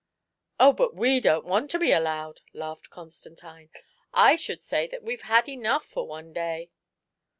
"Oh, but we don't want to be allowed!" laughed Constantine ; "I should say that we've had enough for one day."